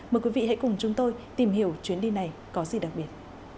mời quý vị hãy cùng chúng tôi tìm hiểu chuyến đi này có gì đặc biệt